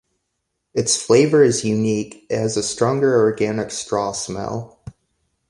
Its flavour is unique, it has a stronger organic straw smell.